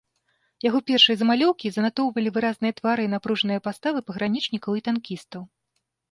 Яго першыя замалёўкі занатоўвалі выразныя твары і напружаныя паставы пагранічнікаў і танкістаў.